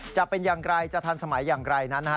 จะเป็นอย่างไรจะทันสมัยอย่างไรนั้นนะฮะ